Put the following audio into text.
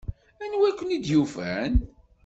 Anwa i ken-id-yufan?